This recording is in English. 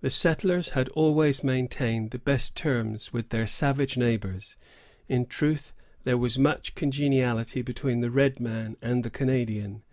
The settlers had always maintained the best terms with their savage neighbors. In truth, there was much congeniality between the red man and the Canadian.